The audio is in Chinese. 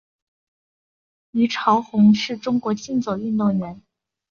虞朝鸿是中国竞走运动员。